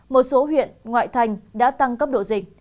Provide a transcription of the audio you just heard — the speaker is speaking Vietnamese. một số huyện ngoại thành đã tăng cấp độ dịch